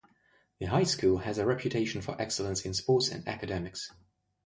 The high school has a reputation for excellence in sports and academics.